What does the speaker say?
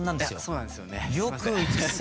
そうなんですよね。